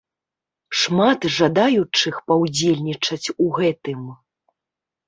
Шмат жадаючых паўдзельнічаць у гэтым.